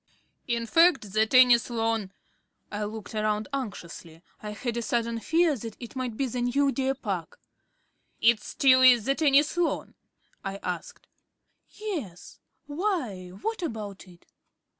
"In fact, the tennis lawn " I looked round anxiously. I had a sudden fear that it might be the new deer park. "It still is the tennis lawn?" I asked. "Yes. Why, what about it?"